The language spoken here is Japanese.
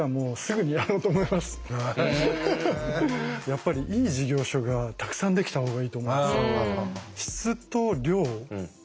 やっぱりいい事業所がたくさんできた方がいいと思うんですよ。